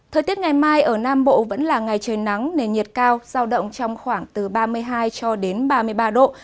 thời tiết ngày mai ở nam bộ vẫn là ngày trời nắng nền nhiệt cao giao động trong khoảng từ ba mươi hai cho đến ba mươi ba độ